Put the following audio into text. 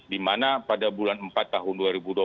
dimana pada bulan empat tahun dua ribu dua puluh